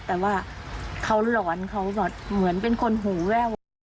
แต่ว่าเขาหลอนเขาแบบเหมือนเป็นคนหูแว่ว